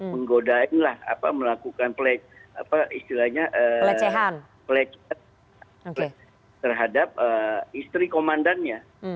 menggoda inilah melakukan pelecehan terhadap istri komandannya